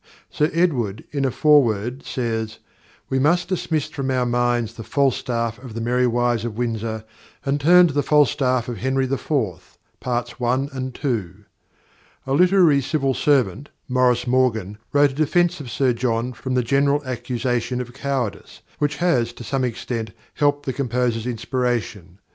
Sir Edward, in a foreword, says: "We must dismiss from our minds the Falstaff of The Merry Wives of Windsor and turn to the Falstaff of Henry IV., parts one and two." A literary civil servant, Maurice Morgan, wrote a defence of Sir John from the general accusation of cowardice, which has, to some extent, helped the composer's inspiration.